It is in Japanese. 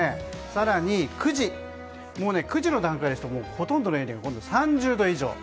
更に、９時の段階ですとほとんどのエリアが３０度以上。